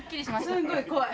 すごい怖い。